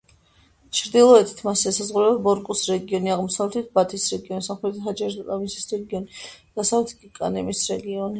ჩრდილოეთით მას ესაზღვრება ბორკუს რეგიონი, აღმოსავლეთით ბათის რეგიონი, სამხრეთით ჰაჯერ-ლამისის რეგიონი, დასავლეთით კანემის რეგიონი.